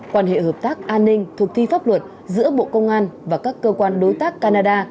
quan hệ hợp tác an ninh thực thi pháp luật giữa bộ công an và các cơ quan đối tác canada